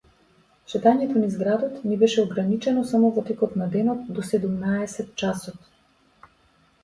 Шетањето низ градот ни беше ограничено само во текот на денот до седумнаесет часот.